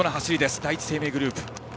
第一生命グループ。